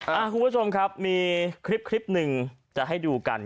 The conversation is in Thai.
คุณผู้ชมครับมีคลิปหนึ่งจะให้ดูกัน